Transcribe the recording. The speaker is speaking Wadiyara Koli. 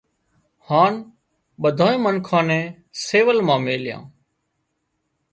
هانَ ٻۮانئين منکان نين سول مان ميليان